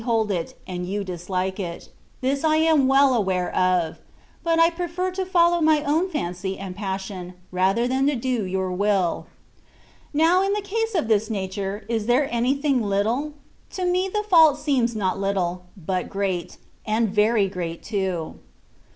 bdiold it, and toq dislike it ; this I am well aware of : bat I prefer to follow my own &ncT and passion rather than do Yonr wilL'' Now^ in a case of this nature^ is there anything little? To me the fuik seems not little, but great, and very great too.